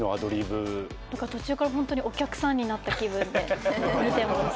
何か途中から本当にお客さんになった気分で見てました。